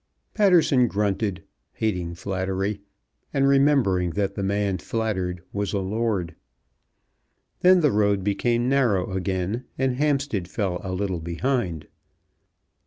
Patterson grunted, hating flattery, and remembering that the man flattered was a lord. Then the road became narrow again, and Hampstead fell a little behind.